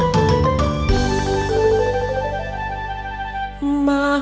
สวัสดีครับ